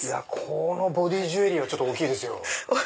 このボディージュエリーは大きいですよ。